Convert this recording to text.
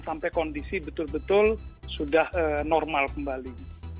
sampai kondisi betul betul sudah normal kembali